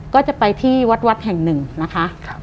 ก็จะไปที่วัดแห่งหนึ่งนะคะ